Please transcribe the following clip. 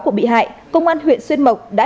của bị hại công an huyện xuân mộc đã